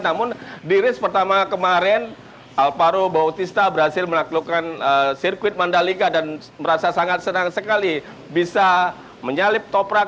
namun di race pertama kemarin alparo bautista berhasil menaklukkan sirkuit mandalika dan merasa sangat senang sekali bisa menyalip toprak